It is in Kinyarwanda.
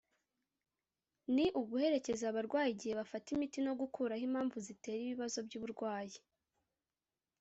ni uguherekeza abarwayi igihe bafata imiti no gukuraho impamvu zitera ibibazo by’uburwayi